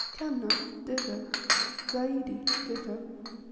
Kamna, ditto. 11. Zaidi, ditto.